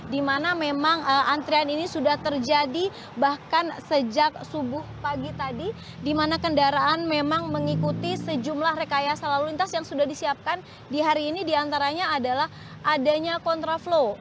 di mana memang antrian ini sudah terjadi bahkan sejak subuh pagi tadi di mana kendaraan memang mengikuti sejumlah rekayasa lalu lintas yang sudah disiapkan di hari ini diantaranya adalah adanya kontraflow